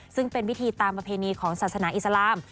ซึ่งเป็นพิธีตามประเพณีของศาสนาอิสลาม